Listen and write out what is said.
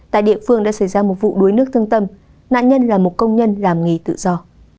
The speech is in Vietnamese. tại địa phương đã xảy ra một vụ đuối nước thương tâm nạn nhân là một công nhân làm nghề tự do